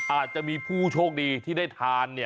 อาจจะมีผู้โชคดีที่ได้ทาน